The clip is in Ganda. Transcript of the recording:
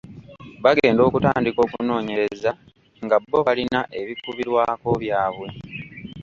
Bagenda okutandika okunoonyereza nga bbo balina ebikubirwako byabwe.